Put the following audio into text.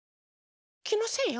きのせいよ！